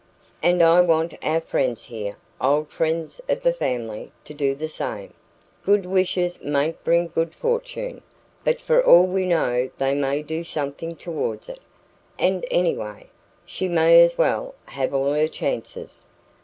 And I want our friends here old friends of the family to do the same. Good wishes mayn't bring good fortune, but for all we know they may do something towards it; and anyway, she may as well have all her chances.